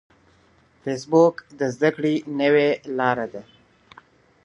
فېسبوک د زده کړې نوې لاره ده